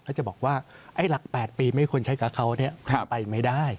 แล้วจะบอกว่าไอ้หลัก๘ปีไม่ควรใช้กับเขาไปไม่ได้